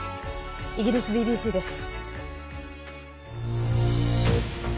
イギリスＢＢＣです。